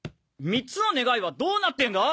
３つの願いはどうなってんだ！？